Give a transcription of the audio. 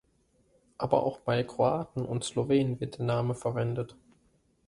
Aber auch bei Kroaten und Slowenen wird der Name verwendet.